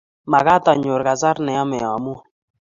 Magat anyor kasar neyomey amuny